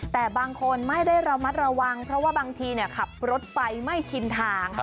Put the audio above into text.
แต่บางคนไม่ได้ระมัดระวังเพราะว่าบางทีขับรถไปไม่ชินทาง